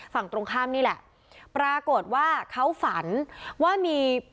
ฝั่งตรงข้ามนี่แหละปรากฏว่าเขาฝันว่ามี